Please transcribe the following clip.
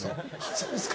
そうですか。